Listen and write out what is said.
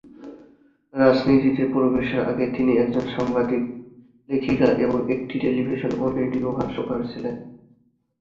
রাজনীতিতে প্রবেশের আগে, তিনি একজন সাংবাদিক, লেখিকা এবং একটি টেলিভিশন ও রেডিও ভাষ্যকার ছিলেন।